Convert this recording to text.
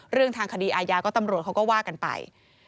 เรื่องทางคดีอาญาก็ตำรวจเขาก็ว่ากันไป